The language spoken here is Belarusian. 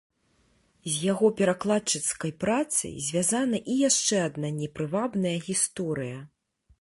З яго перакладчыцкай працай звязана і яшчэ адна непрывабная гісторыя.